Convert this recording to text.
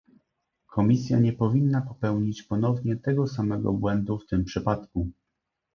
Komisja nie powinna popełnić ponownie tego samego błędu w tym przypadku